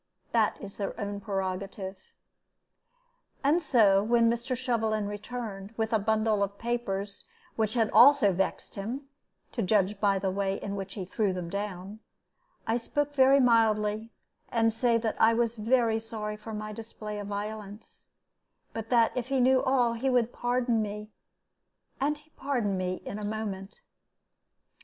That is their own prerogative. And so, when Mr. Shovelin returned, with a bundle of papers which had also vexed him to judge by the way in which he threw them down I spoke very mildly, and said that I was very sorry for my display of violence, but that if he knew all, he would pardon me; and he pardoned me in a moment.